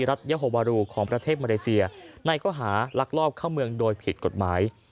รัฐยาโฮวารูของประเทศมาเลเซียในข้อหาลักลอบเข้าเมืองโดยผิดกฎหมาย